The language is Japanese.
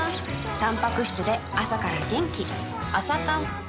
たんぱく質で朝から元気